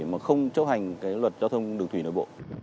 mà không chấp hành cái luật giao thông đường thủy nội bộ